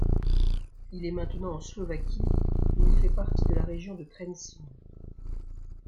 Il est maintenant en Slovaquie où il fait partie de la région de Trenčín.